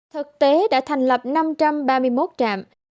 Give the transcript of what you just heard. thực tế đã thành lập năm trăm ba mươi một trạm